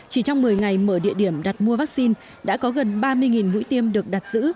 chỉ trong một mươi ngày mở địa điểm đặt mua vaccine đã có gần ba mươi mũi tiêm được đặt giữ